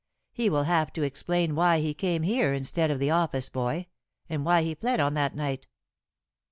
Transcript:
He will have to explain why he came here instead of the office boy, and why he fled on that night."